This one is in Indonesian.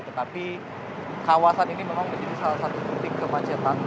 tetapi kawasan ini memang menjadi salah satu titik kemacetan